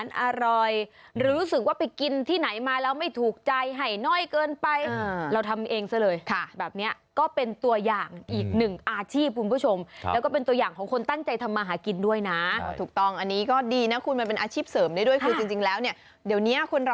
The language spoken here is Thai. แล้วอีกวันเราถึงจะไปหาทิ้งหรือว่าหมดแล้วก็ไปเอาประมาณเดือนละห่น